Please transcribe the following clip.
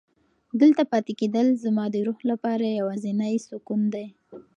دلته پاتې کېدل زما د روح لپاره یوازینی سکون دی.